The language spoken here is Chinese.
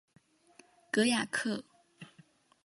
戈雅克。